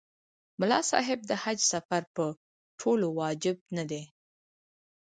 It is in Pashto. ملا صاحب د حج سفر په ټولو واجب نه دی.